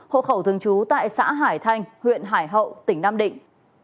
hộ khẩu thường trú tại xã hải thanh huyện hải hậu tỉnh nam định